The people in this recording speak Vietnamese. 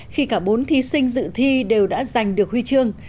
khi cả bốn thí sinh dự thi đều đã giành được huy chương